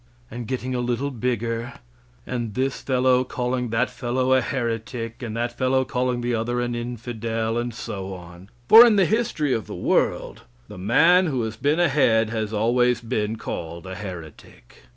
A getting a little bigger, and this fellow calling that fellow a heretic, and that fellow calling the other an infidel, and so on. For in the history of the world, the man who has been ahead has always been called a heretic.